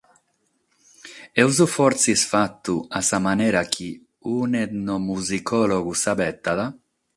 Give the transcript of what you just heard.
Amus fortzis fatu a sa manera chi un'etnomusicòlogu s’abetat?